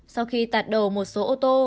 sau khi tạt đầu một số ô tô